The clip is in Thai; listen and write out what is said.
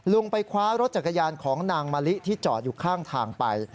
ไปคว้ารถจักรยานของนางมะลิที่จอดอยู่ข้างทางไป